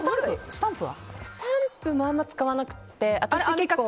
スタンプもあんまり使わなくて。